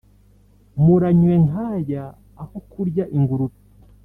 Muranywe nk'aya aho kurya ingurube